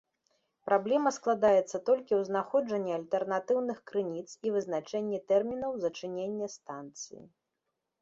Праблема складаецца толькі ў знаходжанні альтэрнатыўных крыніц і вызначэнні тэрмінаў зачынення станцыі.